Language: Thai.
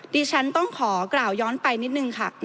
ดิฉันต้องขอกล่าวย้อนไปนิดนึงค่ะ